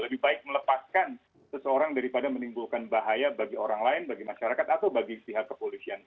lebih baik melepaskan seseorang daripada menimbulkan bahaya bagi orang lain bagi masyarakat atau bagi pihak kepolisian